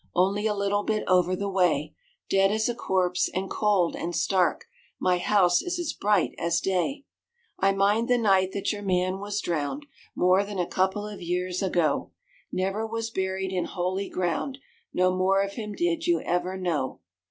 Only a little bit over the way, Dead as a corpse, and cold and stark ! My house is as bright as day ! I mind the night that your man was drowned More than a couple of years ago, Never was buried in holy ground ; No more of him did you ever know.